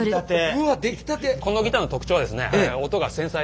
うわっ出来たて。